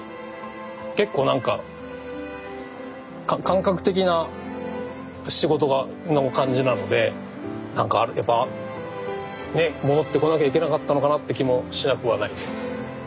結構何か感覚的な仕事の感じなので何かあるやっぱね戻ってこなきゃいけなかったのかなって気もしなくはないです。